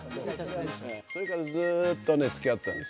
それからずーっとね、つきあってるんです。